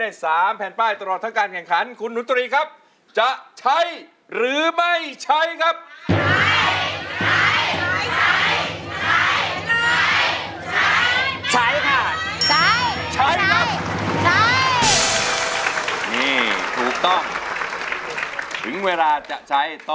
แล้วเป็นเพลงเร็วเนี่ยมันไม่ค่อยได้มีเวลาคิด